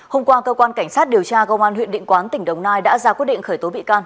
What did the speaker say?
hôm qua cơ quan cảnh sát điều tra công an huyện định quán tỉnh đồng nai đã ra quyết định khởi tố bị can